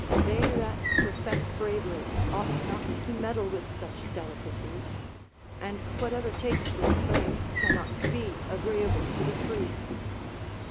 They that profess bravery ought not to meddle with such delicacies ; and whatever takes with slaves can not be agreeable to the free.